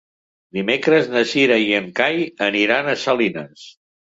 Dimecres na Cira i en Cai aniran a Salines.